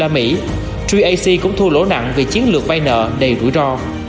ba ac cũng thu lỗ nặng vì chiến lược vay nợ đầy rủi ro